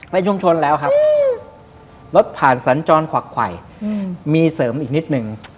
ชุมชนแล้วครับรถผ่านสัญจรขวักไขวมีเสริมอีกนิดนึง